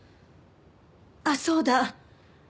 あっそうだ。